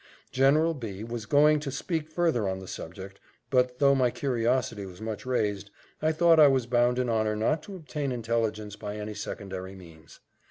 General B was going to speak further on the subject, but though my curiosity was much raised, I thought I was bound in honour not to obtain intelligence by any secondary means.